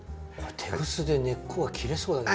テグスで根っこが切れそうだけど。